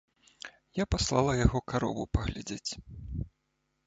Я паслала яго карову паглядзець.